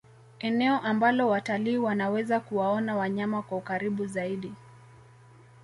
eneo ambalo watalii wanaweza kuwaona wanyama kwa ukaribu zaidi